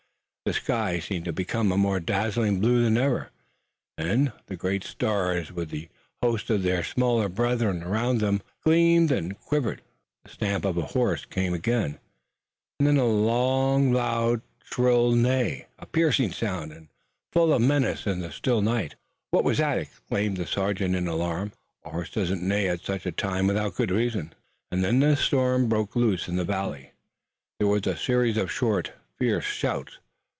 The sky seemed to have become a more dazzling blue than ever, and the great stars with the hosts of their smaller brethren around them gleamed and quivered. The stamp of a horse came again, and then a loud shrill neigh, a piercing sound and full of menace in the still night. "What was that?" exclaimed the sergeant in alarm. "A horse does not neigh at such a time without good reason!" And then the storm broke loose in the valley. There was a series of short, fierce shouts.